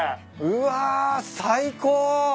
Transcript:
うわ最高！